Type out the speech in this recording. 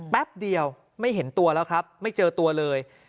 แป๊บเดียวไม่เห็นตัวแล้วครับไม่เจอตัวเลย